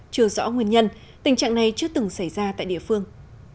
chưa rõ nguyên nhân tình trạng này chưa từng xảy ra tại địa phương